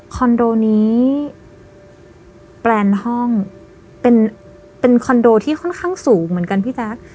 คอนโดนี้แปลนห้องเป็นคอนโดที่ค่อนข้างสูงเหมือนกันพี่แจ๊ค